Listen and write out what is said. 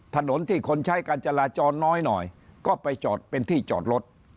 ถนนที่คนใช้การจราจรน้อยหน่อยก็ไปจอดเป็นที่จอดรถ